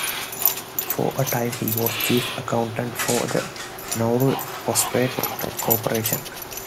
For a time he was Chief Accountant for the Nauru Phosphate Corporation.